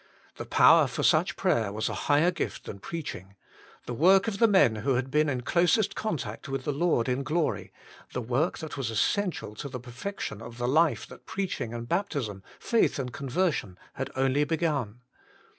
The power for such prayer was a higher gift than preaching the work of the men who had been in closest contact with the Lord in glory, the work that was essential to the per fection of the life that preaching and baptism, faith and conversion had only begun.